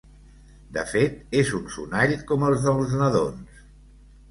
De fet, és un sonall, com els dels nadons.